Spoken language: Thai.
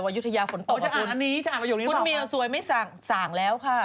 จะอ่านอันนี้จะอ่านประโยชน์นี้หรือเปล่าครับคุณเมียสวยไม่สั่งสั่งแล้วค่ะ